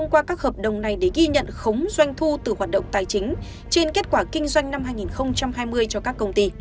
qua các hợp đồng này để ghi nhận khống doanh thu từ hoạt động tài chính trên kết quả kinh doanh năm hai nghìn hai mươi cho các công ty